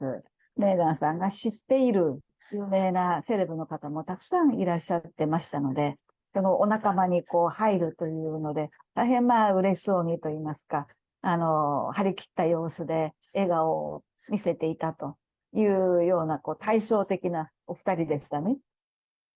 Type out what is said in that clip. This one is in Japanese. メーガンさんが知っている有名なセレブの方もたくさんいらっしゃってましたので、そのお仲間に入るといえるので、大変うれしそうにといいますか、張り切った様子で笑顔を見せていたというような対照的なお２人でしたね。